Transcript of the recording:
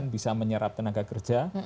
bisa menyerap tenaga kerja